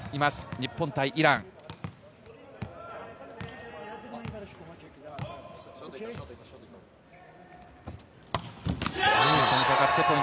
日本対イラン。